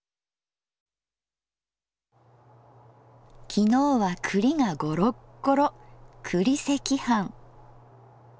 昨日は栗がゴロッゴロ栗赤飯。